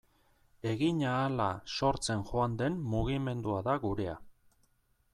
Egin ahala sortzen joan den mugimendua da gurea.